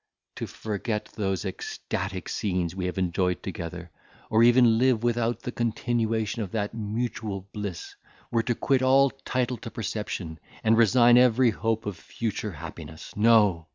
—To forget those ecstatic scenes we have enjoyed together, or even live without the continuation of that mutual bliss, were to quit all title to perception, and resign every hope of future happiness. No!